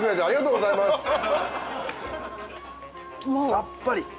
さっぱり！